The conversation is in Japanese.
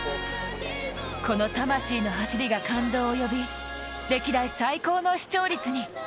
この魂の走りが感動を呼び歴代最高の視聴率に。